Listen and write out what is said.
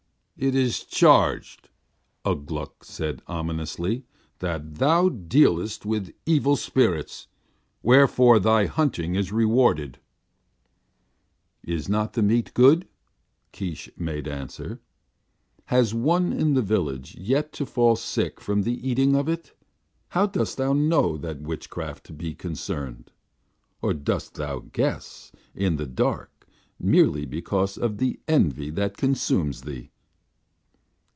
"It is charged," Ugh Gluk said ominously, "that thou dealest with evil spirits, wherefore thy hunting is rewarded." "Is not the meat good?" Keesh made answer. "Has one in the village yet to fall sick from the eating of it? How dost thou know that witchcraft be concerned? Or dost thou guess, in the dark, merely because of the envy that consumes thee?"